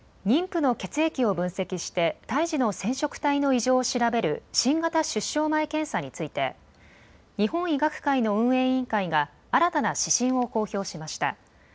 妊婦の血液を分析して胎児の染色体の異常を調べる新型出生前検査について日本医学会の運営委員会が新たな指針を公表しました。